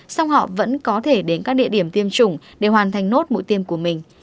song họ vẫn có thể đến các địa điểm tiêm chủng để hoàn thành nốt mũi tiêm của mình